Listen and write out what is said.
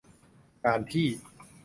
การที่